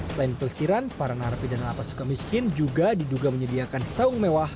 selain pelesiran para narapidana lapasuka miskin juga diduga menyediakan sawung mewah